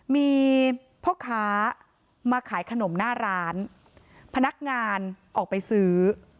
มีพ่อค้ามาขายขนมหน้าร้านพนักงานออกไปซื้อ